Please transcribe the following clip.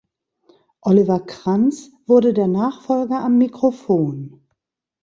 Oliver Kranz wurde der Nachfolger am Mikrofon.